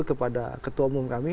kepada ketua umum kami